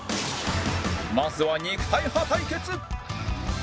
まずは肉体派対決